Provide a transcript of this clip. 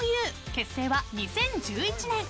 結成は２０１１年。